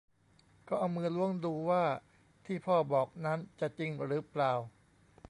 ก็เอามือล้วงดูว่าที่พ่อบอกนั้นจะจริงหรือเปล่า